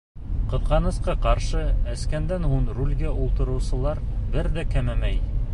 Ҡыҙғанысҡа ҡаршы, эскәндән һуң рулгә ултырыусылар бер ҙә кәмемәй.